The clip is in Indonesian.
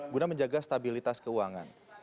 guna menjaga stabilitas keuangan